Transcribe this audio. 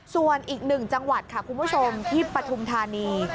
ส่วนอีกหนึ่งจังหวัดค่ะคุณผู้ชมที่ปฐุมธานี